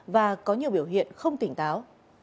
và có nhiều biểu hiện không tỉnh táo